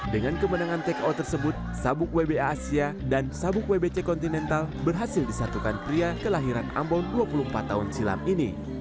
dengan kemenangan take out tersebut sabuk wba asia dan sabuk wbc kontinental berhasil disatukan pria kelahiran ambon dua puluh empat tahun silam ini